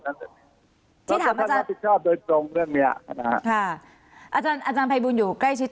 มารับติดติดชอบโดยตรงเรื่องนี้ฮะนะฮะอาจารย์อาจารย์ภายบุญอยู่ใกล้ชิดพลเอกประวิทย์